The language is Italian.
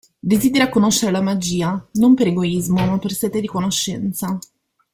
Desidera conoscere la magia, non per egoismo ma per sete di conoscenza.